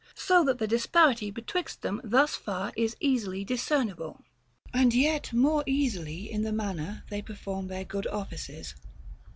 So that the disparity betwixt them thus far is easily discernible. And yet more easily in the manner they perform their aood offices.